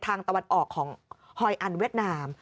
ตะวันออกของฮอยอันเวียดนาม